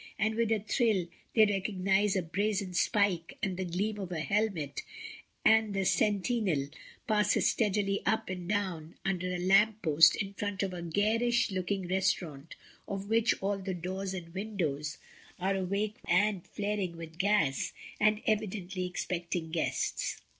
and with a thrill they recognise a brazen spike and the gleam of a helmet as 'the sentinel passes steadily up and down under a lamp post in front of a garish looking restaurant of which all the doors and windows are Mrs. Dymond. 11, H 1 62 MRS. DYMOND. awake and flaring with gas, and evidently expecting guests.